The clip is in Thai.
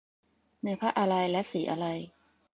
เนื้อผ้าอะไร และสีอะไร